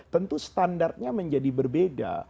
tentu standarnya menjadi berbeda